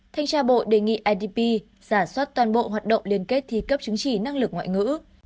thanh tra bộ đề nghị idp giả soát toàn bộ hoạt động liên kết thi cấp chứng chỉ năng lực ngoại ngữ